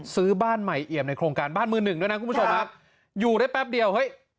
ซื้อบ้านใหม่เอี่ยมในโครงการบ้านมือหนึ่งด้วยนะคุณผู้ชมฮะอยู่ได้แป๊บเดียวเฮ้ย